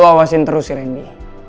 lo awasin terus si rendy